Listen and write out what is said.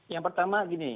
yang pertama gini